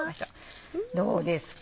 どうですか？